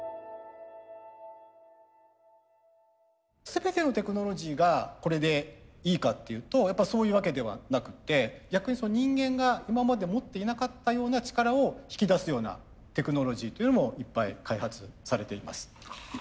全てのテクノロジーがこれでいいかっていうとそういうわけではなくって逆に人間が今まで持っていなかったような力を引き出すようなテクノロジーというのもいっぱい開発されています。